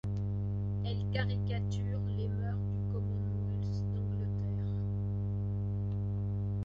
Elle caricature les mœurs du Commonwealth d'Angleterre.